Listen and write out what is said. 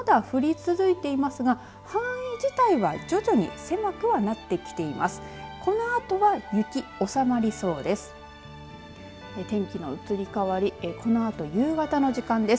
そして、日本海側を中心に雪まだ降り続いていますが範囲自体は徐々に狭くはなってきています。